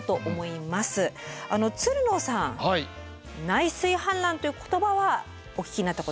「内水氾濫」という言葉はお聞きになったこと。